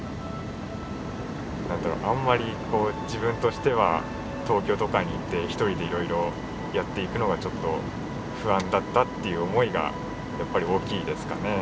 何だろあんまり自分としては東京とかに行って一人でいろいろやっていくのがちょっと不安だったっていう思いがやっぱり大きいですかね。